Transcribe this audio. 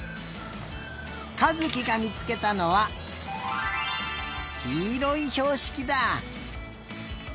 かずきがみつけたのはきいろいひょうしきだ。